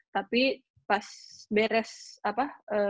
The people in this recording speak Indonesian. tapi pas beres apa